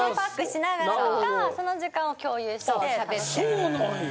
そうなんや。